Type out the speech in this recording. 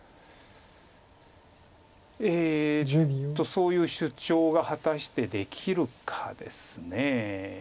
そういう主張が果たしてできるかです。